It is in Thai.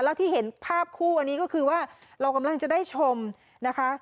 แล้วที่เห็นภาพคู่อันนี้ก็คือว่าเรากำลังจะได้ชมนะคะ